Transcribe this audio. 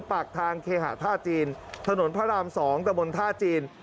ปากทางเคหะท่าจีนถนนพระราม๒ตะบนท่าจีน